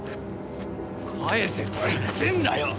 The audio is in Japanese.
返せって言ってんだよ！